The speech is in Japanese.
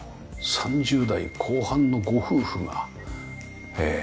３０代後半のご夫婦が。